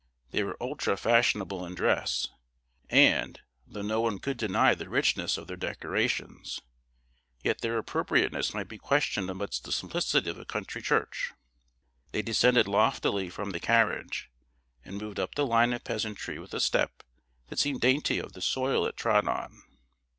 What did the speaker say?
They were ultrafashionable in dress, and, though no one could deny the richness of their decorations, yet their appropriateness might be questioned amidst the simplicity of a country church. They descended loftily from the carriage, and moved up the line of peasantry with a step that seemed dainty of the soil it trod on.